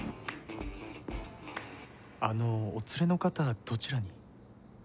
あのお連れの方どちらに？